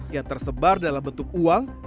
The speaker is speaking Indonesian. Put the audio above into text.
yang tersebar dalam bentuk uang